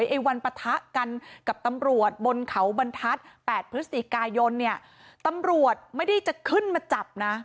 ไอ้วันปะทะกันกับตำรวจบนเขาบรรทัศน์๘พฤศจิกายนเนี่ยตำรวจไม่ได้จะขึ้นมาจับนะ